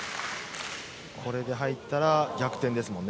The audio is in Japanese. これで入ったら逆転ですね。